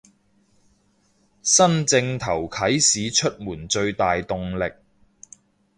新正頭啟市出門最大動力